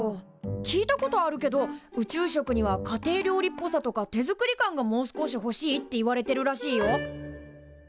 聞いたことあるけど宇宙食には家庭料理っぽさとか手作り感がもう少しほしいっていわれてるらしいよ。